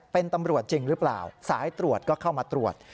เป็นตำรวจจริงหรือเปล่าสายตรวจก็เข้ามาตรวจ